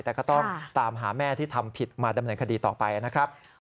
แต่ก็ต้องตามหาแม่ที่ทำผิดมาดำเนินคดีต่อไปนะครับ